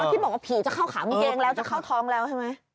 ที่บอกว่าผีจะเข้าขากางเกงแล้วจะเข้าท้องแล้วใช่ไหม